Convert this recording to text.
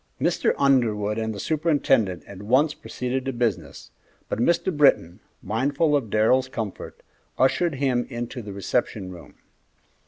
Mr. Underwood and the superintendent at once proceeded to business, but Mr. Britton, mindful of Darrell's comfort, ushered him into the reception room.